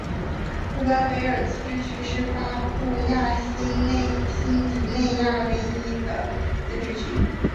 布干维尔自治区是巴布亚新几内亚唯一的自治区。